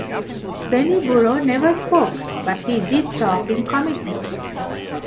Benny Burro never spoke, but he did talk in comic books.